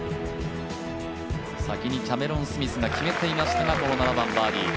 先にキャメロン・スミスが決めていましたが、この７番バーディー。